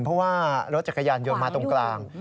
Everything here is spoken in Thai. เพราะว่ารถจักรยานยนต์มาตรงกลาง